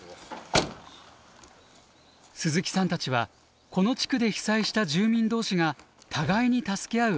鈴木さんたちはこの地区で被災した住民同士が互いに助け合う